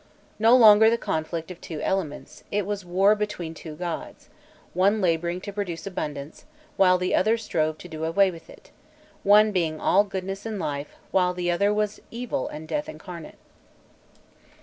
No longer the conflict of two elements, it was war between two gods; one labouring to produce abundance, while the other strove to do away with it; one being all goodness and life, while the other was evil and death incarnate.